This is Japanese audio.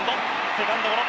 セカンドゴロ。